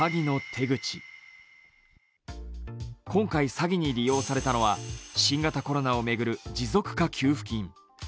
今回、詐欺に利用されたのは新型コロナを巡る持続化給付金。